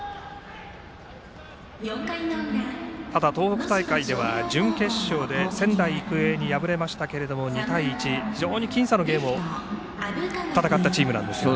ただ東北大会では準決勝で仙台育英に敗れましたけれども２対１と非常に僅差のゲームを戦ったチームです。